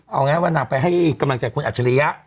เอาง่ายว่านางไปให้กำลังใจคุณอัจฉริยะ